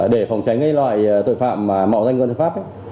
để phòng tránh những loại tội phạm mà mạo danh cơ quan tư pháp